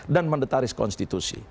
dan mendataris konstitusi